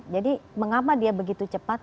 jadi mengapa dia begitu cepat